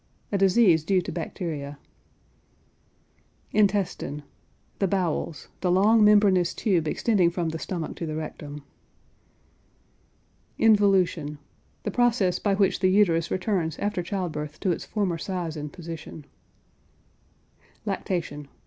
A disease due to bacteria. INTESTINE. The bowels; the long membranous tube extending from the stomach to the rectum. INVOLUTION. The process by which the uterus returns after child birth to its former size and position. LACTATION.